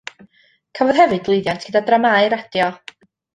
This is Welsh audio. Cafodd hefyd lwyddiant gyda dramâu radio.